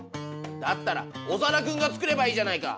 だったらオサダくんが作ればいいじゃないか！